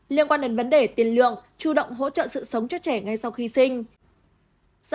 liên quan đến vấn đề tiền lượng chủ động hỗ trợ sự sống cho trẻ ngay sau khi sinh